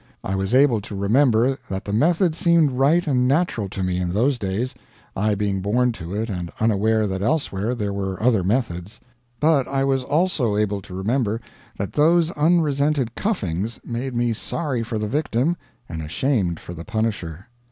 I was able to remember that the method seemed right and natural to me in those days, I being born to it and unaware that elsewhere there were other methods; but I was also able to remember that those unresented cuffings made me sorry for the victim and ashamed for the punisher.